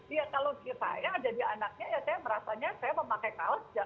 iya kalau saya jadi anaknya ya saya merasanya saya memakai kaos